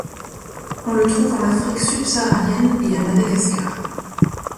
On le trouve en Afrique sub-saharienne et à Madagascar.